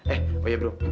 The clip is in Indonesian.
eh oh ya bro